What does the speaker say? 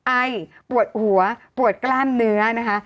ไอปวดหัวปวดกล้ามเนื้อนะคะ